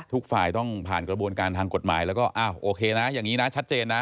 ทุกฝ่ายต้องผ่านกระบวนการทางกฎหมายแล้วก็อ้าวโอเคนะอย่างนี้นะชัดเจนนะ